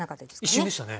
一瞬でしたね。